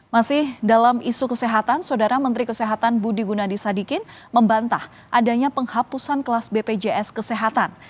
masih dalam isu kesehatan saudara menteri kesehatan budi gunadisadikin membantah adanya penghapusan kelas bpjs kesehatan